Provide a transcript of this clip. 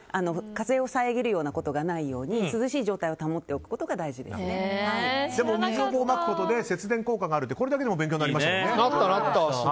風を遮るようなことがないように涼しい状態をでも、水をまくことで節電効果があるってこれだけでも勉強になりましたよね。